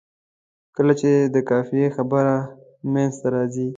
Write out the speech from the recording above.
کله چې د قافیې خبره منځته راځي.